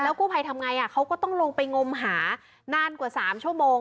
แล้วกู้ไพทำง่ายอ่ะเขาก็ต้องลงไปงมหานานกว่าสามชั่วโมง